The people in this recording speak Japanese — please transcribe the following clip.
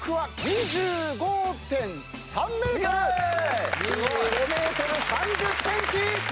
２５ｍ３０ｃｍ！